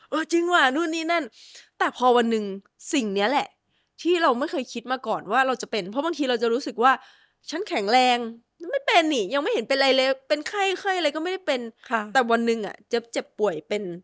จริงว่ะนู่นนี่นั่นแต่พอวันหนึ่งสิ่งนี้แหละที่เราไม่เคยคิดมาก่อนว่าเราจะเป็นเพราะบางทีเราจะรู้สึกว่าฉันแข็งแรงไม่เป็นนี่ยังไม่เห็นเป็นอะไรเลยเป็นไข้ไข้อะไรก็ไม่ได้เป็นค่ะแต่วันหนึ่งอ่ะเจ็บป่วยเป็น